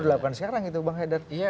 dilakukan sekarang itu bang hedad